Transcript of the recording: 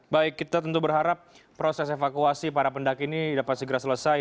baik kita tentu berharap proses evakuasi para pendaki ini dapat segera selesai